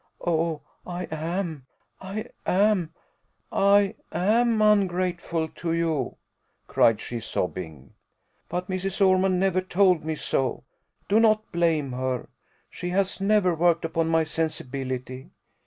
"Oh, I am I am I am ungrateful to you," cried she, sobbing; "but Mrs. Ormond never told me so; do not blame her: she has never worked upon my sensibility.